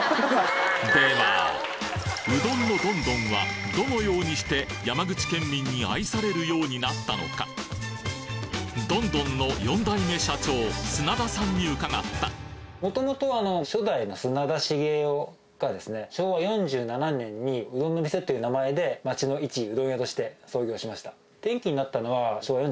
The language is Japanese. うどんのどんどんはどのようにして山口県民に愛されるようになったのかどんどんの４代目社長砂田さんに伺った昭和４７年に「うどんの店」っていう名前で街のいちうどん屋として創業しました。